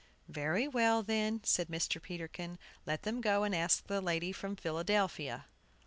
"Very well, then." said Mr. Peterkin, "let them go and ask the lady from Philadelphia."